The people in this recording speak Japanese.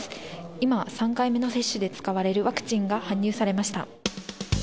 今、３回目の接種で使われるワクチンが搬入されました。